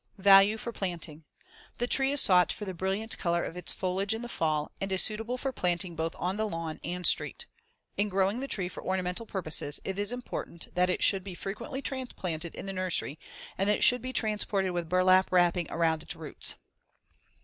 Value for planting: The tree is sought for the brilliant color of its foliage in the fall, and is suitable for planting both on the lawn and street. In growing the tree for ornamental purposes it is important that it should be frequently transplanted in the nursery and that it be transported with burlap wrapping around its roots.